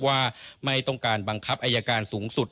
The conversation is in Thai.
ว่าไม่ต้องการบังคับอายการสูงสุด